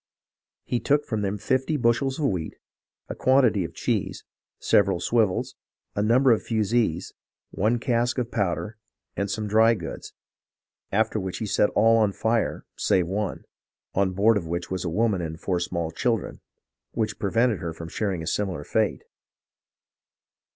He took from them fifty bushels of wheat, a quan tity of cheese, several swivels, a number of fusees, one cask of powder, and some dry goods. ... After which he set all on fire, save one, on board of which was a woman and four small children, which prevented her from sharing a similar fate."